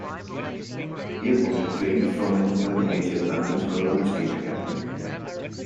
Haywoode trained from an early age at London's Corona Stage Academy.